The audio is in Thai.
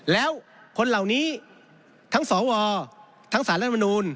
แล้วคนเหล่านี้ทั้งสวทั้งสารรัฐมนูล